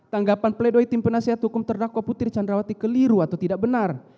tanggapan pledoi tim penasihat hukum terdakwa putri candrawati keliru atau tidak benar